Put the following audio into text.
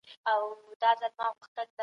انسان خپل شخصیت له ټولنې څخه ترلاسه کوي.